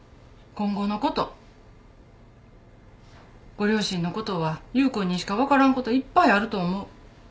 ご両親のことは優君にしか分からんこといっぱいあると思う。